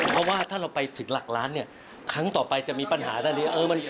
เพราะว่าถ้าเราไปถึงหลักละทั้งต่อไปจะมีปัญหาเท่านี้